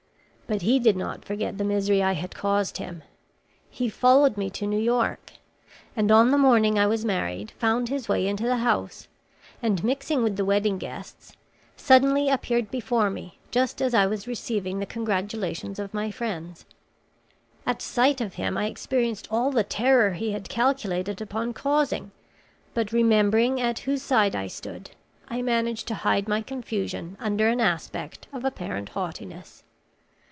But he did not forget the misery I had caused him. He followed me to New York: and on the morning I was married found his way into the house, and mixing with the wedding guests, suddenly appeared before me just as I was receiving the congratulations of my friends. At sight of him I experienced all the terror he had calculated upon causing, but remembering at whose side I stood, I managed to hide my confusion under an aspect of apparent haughtiness.